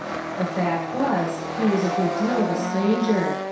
The fact was, he was a good deal of a stranger.